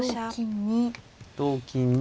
同金に。